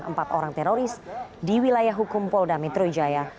empat orang teroris di wilayah hukum polda metro jaya